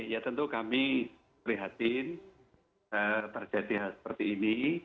ya tentu kami prihatin terjadi hal seperti ini